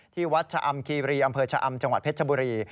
ที่วัดชะอำคีรีอำเภอชะอำจังหวัดเพชรบุรี